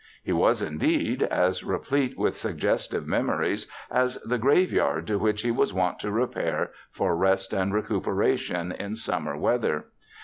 He was, indeed, as replete with suggestive memories as the graveyard to which he was wont to repair for rest and recuperation in summer weather.